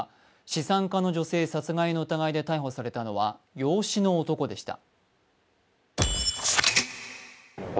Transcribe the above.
資産家の女性殺害の疑いで逮捕されたのは養子の男でした。